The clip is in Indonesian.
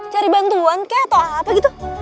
cari bantuan kek atau apa gitu